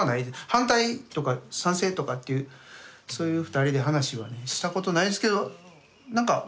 反対とか賛成とかっていうそういう２人で話はねしたことないですけど何か。